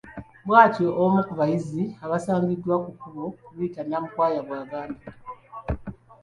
Bw’atyo omu ku bayizi abasangiddwa ku kkubo Ritah Namukwaya bw’agambye.